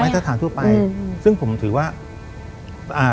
มาตรฐานทั่วไปซึ่งผมถือว่า